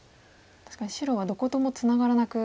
確かに白はどこともツナがらなく。